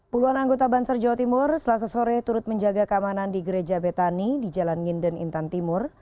puluhan anggota banser jawa timur selasa sore turut menjaga keamanan di gereja betani di jalan nginden intan timur